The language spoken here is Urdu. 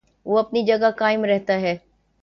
وہ اپنی جگہ قائم رہتا ہے۔